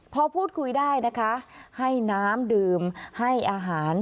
พอพูดคุยได้นะคะให้น้ำดื่มให้อาหาร